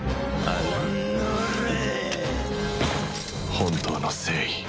本当の誠意